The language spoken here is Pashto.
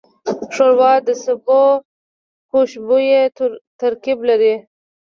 ښوروا د سبو خوشبویه ترکیب لري.